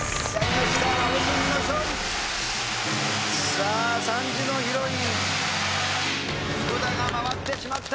さあ３時のヒロイン福田が回ってしまった。